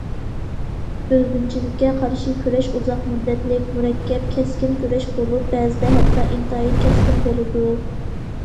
بۆلگۈنچىلىككە قارشى كۈرەش ئۇزاق مۇددەتلىك، مۇرەككەپ، كەسكىن كۈرەش بولۇپ، بەزىدە ھەتتا ئىنتايىن كەسكىن بولىدۇ.